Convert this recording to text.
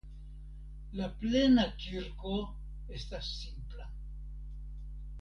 La plena kirko estas simpla.